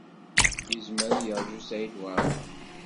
Yezmer ad yeṛju Saɛid Waɛmaṛ.